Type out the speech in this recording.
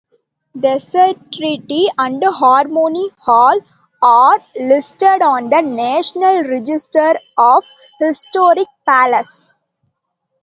Desserette and Harmony Hall are listed on the National Register of Historic Places.